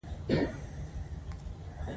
سهار به یې په عملي کیدو پسې راشي او تا به ونیسي.